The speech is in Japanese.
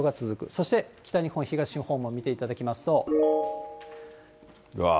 そして北日本、東日本も見ていたうわー。